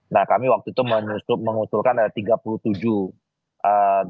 nah kami waktu itu mengusulkan ada tiga puluh tujuh daftar ya dan ada beberapa undang undang